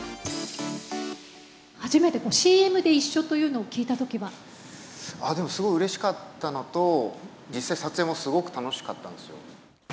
初めてＣＭで一緒というのをあっでも、すごいうれしかったのと、実際、撮影もすごく楽しかったんですよ。